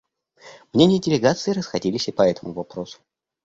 Мнения делегаций расходились и по этому вопросу.